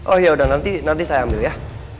oh yaudah nanti saya ambil ya